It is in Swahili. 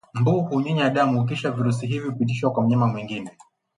mbu hunyunya damu Kisha virusi hivi hupitishwa kwa mnyama mwingine